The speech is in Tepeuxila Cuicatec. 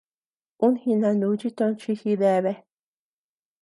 Un jinanuchi toch gideabe.